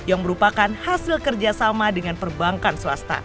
yang merupakan hasil kerjasama dengan perbankan swasta